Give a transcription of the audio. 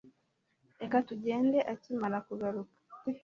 Reka tugende akimara kugaruka